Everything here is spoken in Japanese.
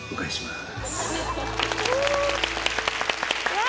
すごい！